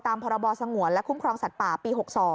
พรบสงวนและคุ้มครองสัตว์ป่าปี๖๒